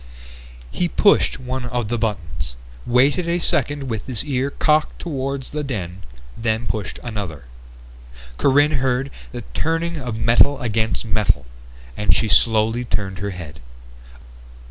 He pushed one of the buttons, waited a second with his ear cocked toward the den, then pushed another. Corinne heard the turning of metal against metal, and she slowly turned her head.